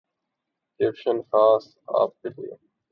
caption خاص آپ کے لیے